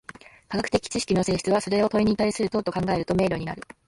科学的知識の性質は、それを問に対する答と考えると明瞭になる。